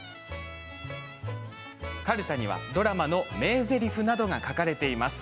かるたにはドラマの名せりふなどが書かれています。